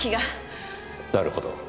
なるほど。